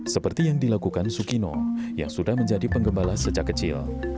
seperti yang dilakukan sukino yang sudah menjadi penggembala sejak kecil